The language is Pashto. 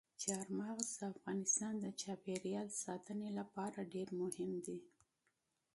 چار مغز د افغانستان د چاپیریال ساتنې لپاره ډېر مهم دي.